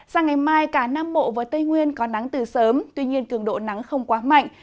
sang ngày mai cả nam bộ và tây nguyên có nắng từ sớm tuy nhiên cường độ nắng không quá mạnh